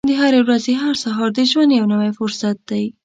د هرې ورځې هر سهار د ژوند یو نوی فرصت دی.